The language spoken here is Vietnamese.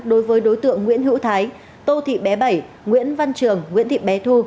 đối với đối tượng nguyễn hữu thái tô thị bé bảy nguyễn văn trường nguyễn thị bé thu